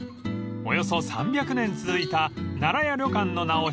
［およそ３００年続いた奈良屋旅館の名を引き継ぎ